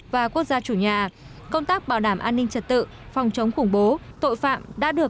và quốc gia chủ nhà công tác bảo đảm an ninh trật tự phòng chống khủng bố tội phạm đã được